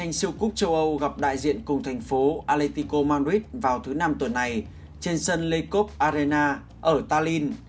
anh siêu quốc châu âu gặp đại diện cùng thành phố atletico madrid vào thứ năm tuần này trên sân leipzig arena ở tallinn